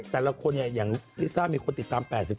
แต่ละคนเนี่ยอย่างลิซ่ามีคนติดตาม๘๕